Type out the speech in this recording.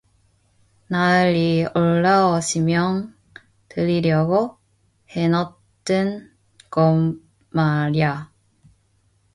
나으리 올라오시면 드리려고 해 넣은 것 말야.